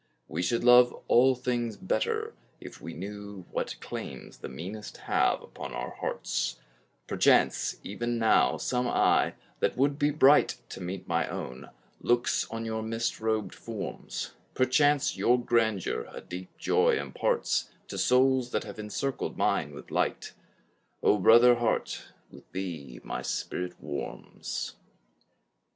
We should love all things better, if we knew What claims the meanest have upon our hearts: Perchance even now some eye, that would be bright To meet my own, looks on your mist robed forms; Perchance your grandeur a deep joy imparts To souls that have encircled mine with light O brother heart, with thee my spirit warms!